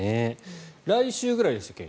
来週ぐらいでしたっけ。